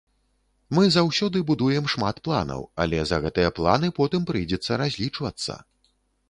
Мы заўсёды будуем шмат планаў, але за гэтыя планы потым прыйдзецца разлічвацца.